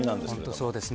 そうですね。